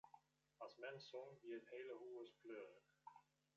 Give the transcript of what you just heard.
As mem song, wie it hiele hûs fleurich.